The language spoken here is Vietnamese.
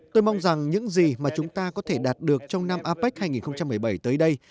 tôi mong rằng những gì mà chúng ta có thể đạt được trong năm apec hai nghìn một mươi bảy tới đây